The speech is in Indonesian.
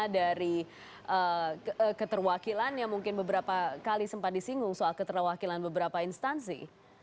dari keterwakilan yang mungkin beberapa kali sempat disinggung soal keterwakilan beberapa instansi